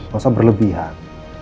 gak usah berlebihan